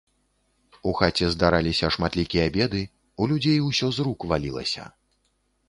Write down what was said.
У хаце здараліся шматлікія беды, у людзей усё з рук валілася.